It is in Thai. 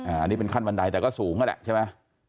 อันนี้เป็นขั้นบันไดแต่ก็สูงก็แหละ